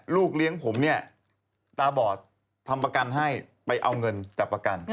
ลูกเลี้ยงผมเนี่ยตาบอดทำประกันให้ไปเอาเงินจับประกัน